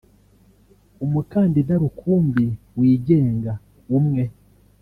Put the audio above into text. umukandida rukumbi wigenga umwe